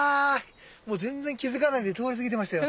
もう全然気付かないで通り過ぎてましたよ。